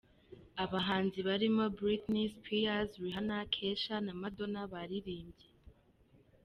Abahanzi barimo Britney Spears, Rihanna, Kesha na Madonna baririmbye.